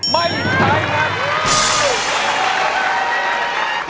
ไม่ใช้ครับ